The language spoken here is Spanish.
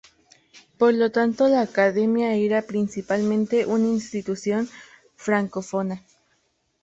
Por lo tanto, la Academia era principalmente una institución francófona.